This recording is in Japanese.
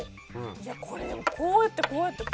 いやこれでもこうやってこうやって。